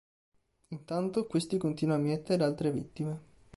Intanto, questi continua a mietere altre vittime.